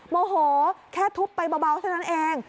โมโหแค่ทุบไปเบาเท่านั้นเอง